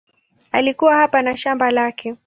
Alikuwa hapa na shamba lake.